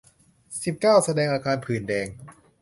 สิบเก้า แสดงอาการผื่นแดง